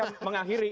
pak wahyu mengakhiri